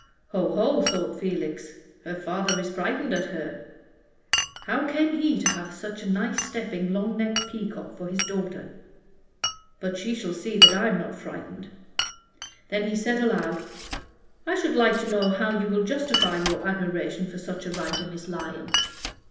"Ho, ho!" thought Felix, "her father is frightened at her. How came he to have such a nice stepping, long necked peacock for his daughter? but she shall see that I am not frightened." Then he said aloud, "I should like to know how you will justify your admiration for such a writer, Miss Lyon."